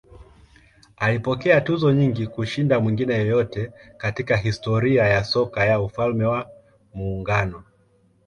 Alipokea tuzo nyingi kushinda mwingine yeyote katika historia ya soka ya Ufalme wa Muungano.